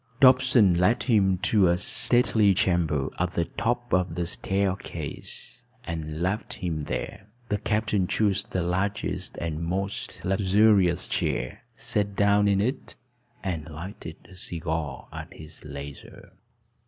Dobson led him to a stately chamber at the top of the staircase, and left him there. The captain chose the largest and most luxurious chair, sat down in it, and lighted a cigar at his leisure.